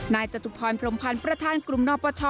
จตุพรพรมพันธ์ประธานกลุ่มนปช